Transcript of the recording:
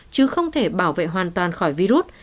chứ không thể bảo vệ hoàn toàn khỏi virus